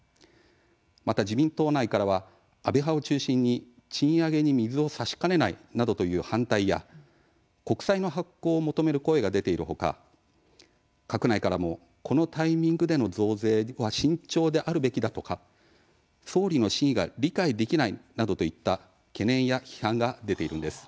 また自民党内からは安倍派を中心に賃上げに水をさしかねないなどという反対や国債の発行を求める声が出ている他、閣内からもこのタイミングでの増税は慎重であるべきだとか総理の真意が理解できないなどといった懸念や批判が出ているんです。